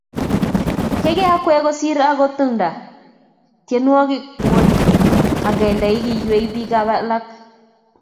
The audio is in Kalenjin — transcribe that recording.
Keikei akwek kosir agotnda tiekchok ngwony akandenak iywei bik alak